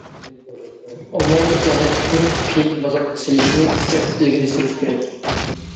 ئومۇمىي جەھەتتىن پېيىنى بازارغا سېلىشنى كۈچەپ ئىلگىرى سۈرۈش كېرەك.